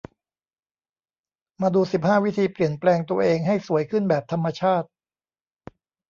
มาดู สิบห้า วิธีเปลี่ยนแปลงตัวเอง ให้สวยขึ้นแบบธรรมชาติ